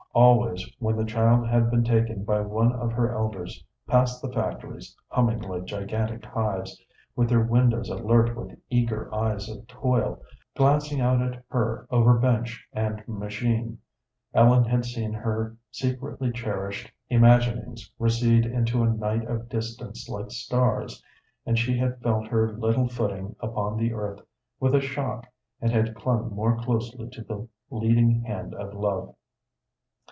Always when the child had been taken by one of her elders past the factories, humming like gigantic hives, with their windows alert with eager eyes of toil, glancing out at her over bench and machine, Ellen had seen her secretly cherished imaginings recede into a night of distance like stars, and she had felt her little footing upon the earth with a shock, and had clung more closely to the leading hand of love.